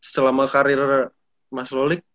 selama karir mas lolik